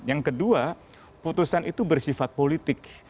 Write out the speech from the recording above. yang kedua putusan itu bersifat politik